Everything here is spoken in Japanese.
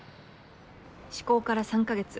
施行から３か月。